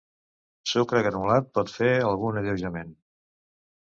Sucre granulat pot fer algun alleujament.